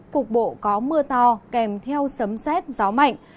cục bộ có mưa to kèm theo sấm xét gió mạnh